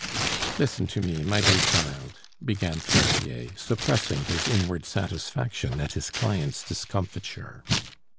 "Listen to me, my dear child," began Fraisier, suppressing his inward satisfaction at his client's discomfiture.